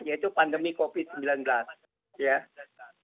yaitu pandemi covid sembilan belas